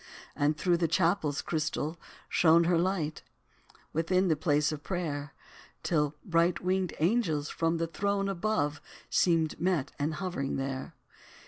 And through the chapel's crystal shone Her light, within the place of prayer, Till bright winged angels, from the throne Above, seemed met and hovering there.